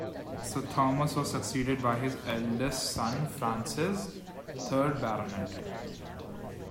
Sir Thomas was succeeded by his eldest son Francis, third Baronet.